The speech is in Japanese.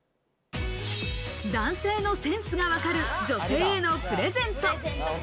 男性のセンスがわかる女性へのプレゼント。